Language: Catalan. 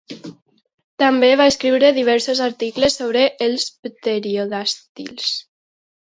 També va escriure diversos articles sobre els pterodàctils.